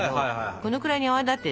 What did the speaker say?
このくらいに泡立て。